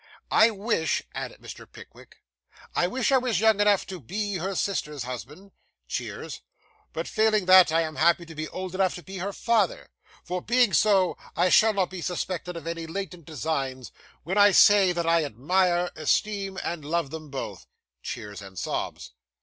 I wish,' added Mr. Pickwick 'I wish I was young enough to be her sister's husband (cheers), but, failing that, I am happy to be old enough to be her father; for, being so, I shall not be suspected of any latent designs when I say, that I admire, esteem, and love them both (cheers and sobs).